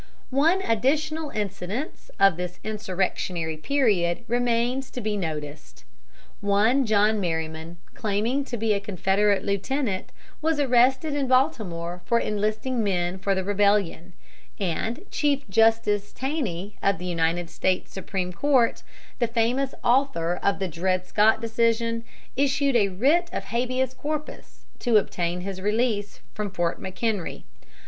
One additional incident of this insurrectionary period remains to be noticed. One John Merryman, claiming to be a Confederate lieutenant, was arrested in Baltimore for enlisting men for the rebellion, and Chief Justice Taney of the United States Supreme Court, the famous author of the Dred Scott decision, issued a writ of habeas corpus to obtain his release from Fort McHenry.